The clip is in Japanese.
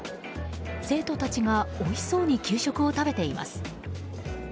生徒たちが、おいしそうに給食を食べています。